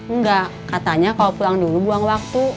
enggak katanya kalau pulang dulu buang waktu